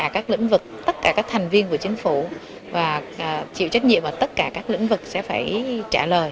các lĩnh vực tất cả các thành viên của chính phủ và chịu trách nhiệm ở tất cả các lĩnh vực sẽ phải trả lời